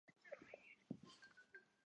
后来重建。